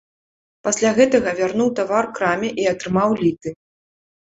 Пасля гэтага вярнуў тавар краме і атрымаў літы.